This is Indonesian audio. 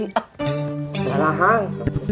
gak lah kang